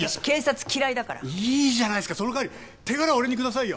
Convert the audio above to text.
いいじゃないっすかそのかわり手柄俺にくださいよ。